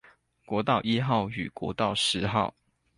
國道一號與國道十號